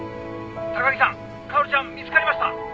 ☎高木さん薫ちゃん見つかりました。